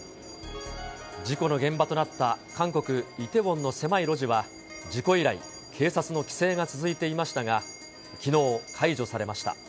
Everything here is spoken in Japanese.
事故の現場となった韓国・イテウォンの狭い路地は、事故以来、警察の規制が続いていましたが、きのう、解除されました。